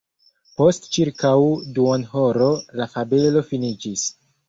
Post ĉirkaŭ duonhoro la fabelo finiĝis.